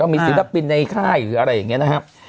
มีศิลปินในค่ายหรืออะไรอย่างนี้นะครับ